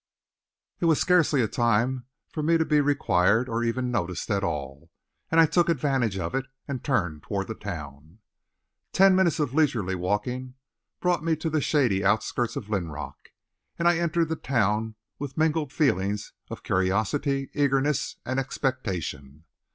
It was scarcely a time for me to be required, or even noticed at all, and I took advantage of it and turned toward the town. Ten minutes of leisurely walking brought me to the shady outskirts of Linrock and I entered the town with mingled feelings of curiosity, eagerness, and expectation.